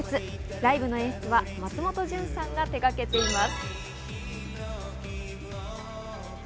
ライブの演出は松本潤さんが手がけています。